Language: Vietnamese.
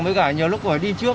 với cả nhiều lúc phải đi trước